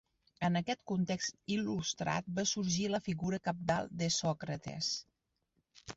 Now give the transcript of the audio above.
En aquest context il·lustrat va sorgir la figura cabdal de Sòcrates.